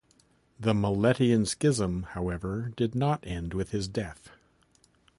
The Meletian schism, however, did not end with his death.